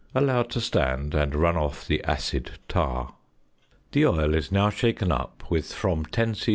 Allow to stand, and run off the "acid tar." The oil is now shaken up with from 10 c.c.